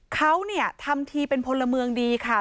เขาทำทีเป็นพลเมืองดีค่ะ